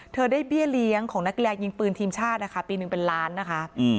เธอได้เบี้ยเลี้ยงของนักกีฬายิงปืนทีมชาตินะคะปีหนึ่งเป็นล้านนะคะ